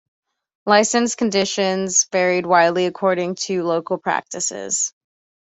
Licence conditions varied widely, according to local practice.